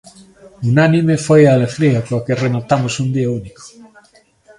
Unánime foi a alegría coa que rematamos un día único.